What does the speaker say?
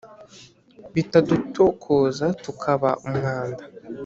bitadutokoza tukaba umwanda